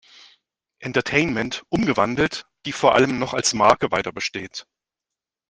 Entertainment umgewandelt, die vor allem noch als "Marke" weiterbesteht.